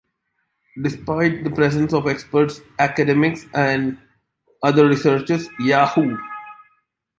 Despite the presence of experts, academics and other researchers, Yahoo!